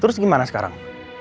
terus gimana sekarang